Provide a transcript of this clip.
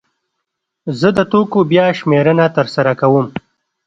زه د توکو بیا شمېرنه ترسره کوم.